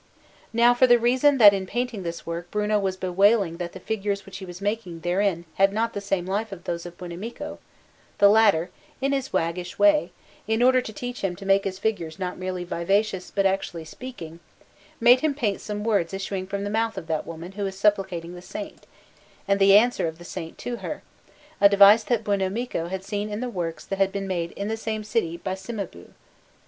Now, for the reason that in painting this work Bruno was bewailing that the figures which he was making therein had not the same life as those of Buonamico, the latter, in his waggish way, in order to teach him to make his figures not merely vivacious but actually speaking, made him paint some words issuing from the mouth of that woman who is supplicating the Saint, and the answer of the Saint to her, a device that Buonamico had seen in the works that had been made in the same city by Cimabue.